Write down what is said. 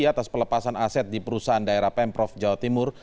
atas pelepasan aset di perusahaan daerah pemprov jawa timur